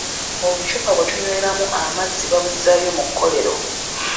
Obucupa bwe tunyweramu amazzi babuzzayo mu kolero.